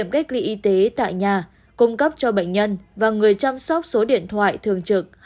cách ly y tế tại nhà cung cấp cho bệnh nhân và người chăm sóc số điện thoại thường trực